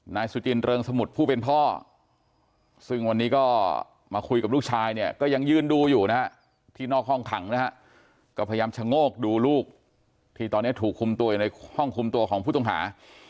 นายสุจินเริงสมุทรผู้เป็นพ่อซึ่งวันนี้ก็มาคุยกับลูกชายเนี่ยก็ยังยืนดูอยู่นะฮะที่นอกห้องขังนะฮะก็พยายามชะโงกดูลูกที่ตอนนี้ถูกคุมตัวอยู่ในห้องคุมตัวของผู้ต้องหา